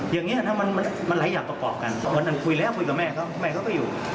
อย่างเนี้ยนะมันมันไหลอย่างตะปอบกันเพราะฉะนั้นคุยแล้วคุยกับแม่ก็อยู่